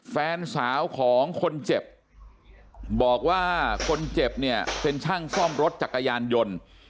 แฟนสาวของคนเจ็บบอกว่าคนเจ็บเนี่ยเป็นช่างซ่อมรถจักรยานยนต์